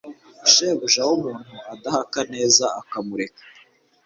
shebuja w'umuntu adahaka neza akamureka